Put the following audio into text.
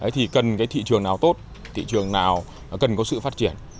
thì cần cái thị trường nào tốt thị trường nào cần có sự phát triển